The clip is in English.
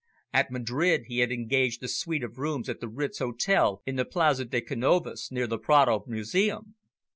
At Madrid he had engaged a suite of rooms at the Ritz Hotel in the Plaza de Canovas, near the Prado Museum.